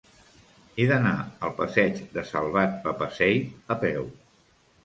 He d'anar al passeig de Salvat Papasseit a peu.